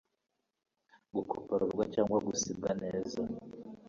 gukopororwa cyangwa gusibwa neza